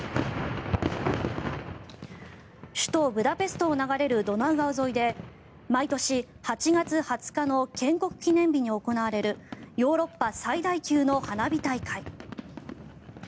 首都ブダペストを流れるドナウ川沿いで毎年８月２０日の建国記念日に行われるヨーロッパ最大級の花火大会。